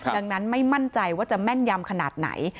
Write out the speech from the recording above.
ดังนั้นไม่มั่นใจว่าจะแม่นยำขนาดไหน